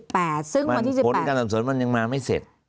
โปรดเกินการสัดสนมันไม่ได้